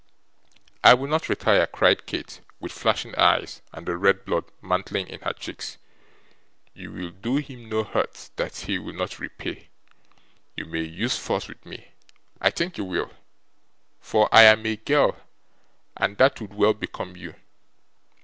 'I will not retire,' cried Kate, with flashing eyes and the red blood mantling in her cheeks. 'You will do him no hurt that he will not repay. You may use force with me; I think you will, for I AM a girl, and that would well become you.